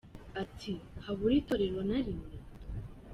Ati “Habure itorero na rimwe ?